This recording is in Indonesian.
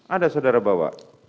ada saudara bawa